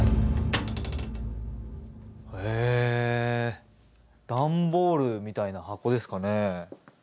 へえ段ボールみたいな箱ですかね。